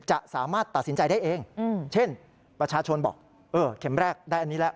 จะสามารถตัดสินใจได้เองเช่นประชาชนบอกเออเข็มแรกได้อันนี้แล้ว